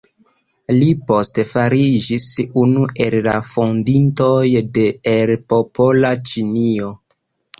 Li poste fariĝis unu el la fondintoj de "El Popola Ĉinio".